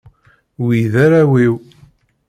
Wi d arraw-iw.